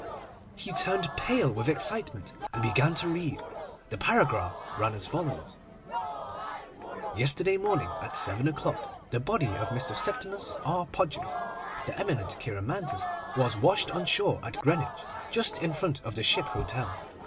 He turned pale with excitement, and began to read. The paragraph ran as follows: Yesterday morning, at seven o'clock, the body of Mr. Septimus R. Podgers, the eminent cheiromantist, was washed on shore at Greenwich, just in front of the Ship Hotel.